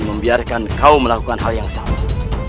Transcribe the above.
membiarkan kau melakukan hal yang sama